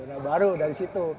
nah baru dari situ